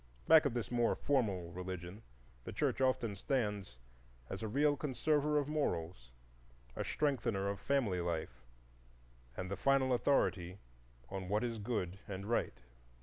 Back of this more formal religion, the Church often stands as a real conserver of morals, a strengthener of family life, and the final authority on what is Good and Right.